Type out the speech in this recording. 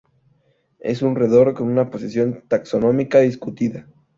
Es un roedor con una posición taxonómica discutida.